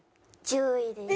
１０位です。